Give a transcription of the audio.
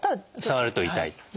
触ると痛い。